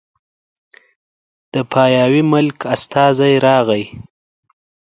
د پاياوي ملک استازی راغی